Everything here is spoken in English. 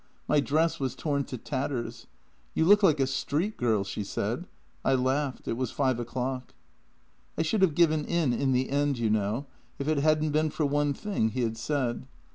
My dress was torn to tatters. ' You look like a street girl,' she said. I laughed. It was five o'clock. " I should have given in in the end, you know, if it hadn't been for one thing he had said.